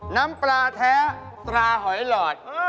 น้ำปลาแท้ตราหอยหลอด